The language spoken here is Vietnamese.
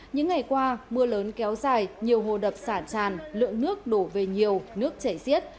những ngày qua mưa lớn kéo dài nhiều hồ đập sản tràn lượng nước đổ về nhiều nước chảy xiết